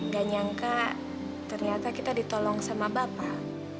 dan nyangka ternyata kita ditolong sama bapak